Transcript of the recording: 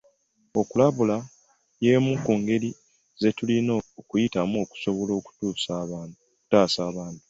Okulabula y'emu ku ngeri ze tulina okuyitamu okusobola okutaasa abantu.